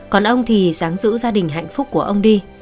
còn ông thì giáng giữ gia đình hạnh phúc của ông đi